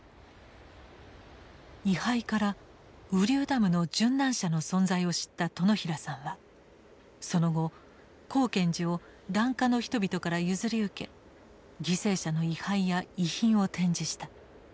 位牌から雨竜ダムの殉難者の存在を知った殿平さんはその後光顕寺を檀家の人々から譲り受け犠牲者の位牌や遺品を展示した。